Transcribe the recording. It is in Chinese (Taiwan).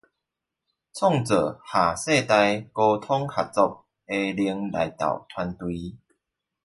創造跨世代溝通合作的零內鬨團隊